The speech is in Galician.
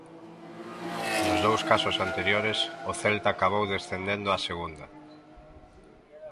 Nos dous casos anteriores, o Celta acabou descendendo á Segunda.